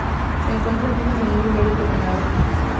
Se encuentran fijas en un lugar determinado.